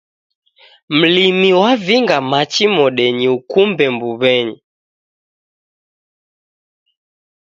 Mlimi wavinga machi modeni ukumbe mbuw'enyi